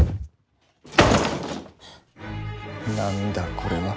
何だこれは。